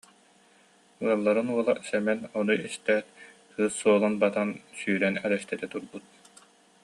Ыалларын уола Сэмэн ону истээт, кыыс суолун батан, сүүрэн элэстэтэ турбут